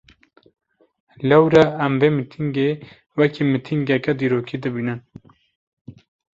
Lewre em vê mîtîngê, wekî mîtîngeke dîrokî dibînin